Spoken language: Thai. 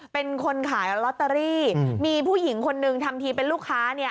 เป็นคนขายลอตเตอรี่มีผู้หญิงคนนึงทำทีเป็นลูกค้าเนี่ย